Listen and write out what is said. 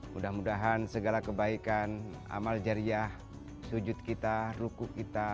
mudah mudahan segala kebaikan amal jariah sujud kita ruku kita